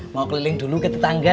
mau keliling dulu ke tetangga